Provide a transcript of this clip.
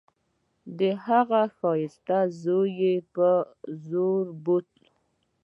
د هغه ښايسته زوى يې په زوره بوت.